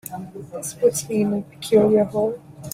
This puts me in a peculiar hole.